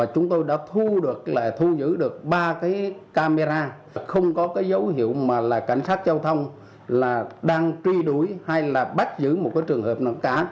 thu giữ được ba cái camera không có cái dấu hiệu mà là cảnh sát giao thông là đang truy đuổi hay là bắt giữ một cái trường hợp nào cả